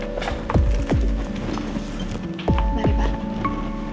terima kasih ya mbak feli